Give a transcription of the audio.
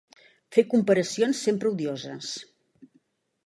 Fer comparacions, sempre odioses